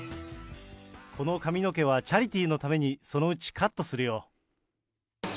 この髪の毛はチャリティーのためにそのうちカットするよ。